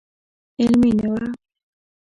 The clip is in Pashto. علمي نه و.